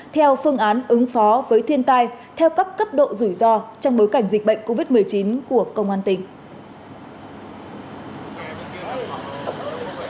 theo phương án ứng phó với thiên tai theo các cấp độ rủi ro trong bối cảnh dịch bệnh covid một mươi chín của công an tỉnh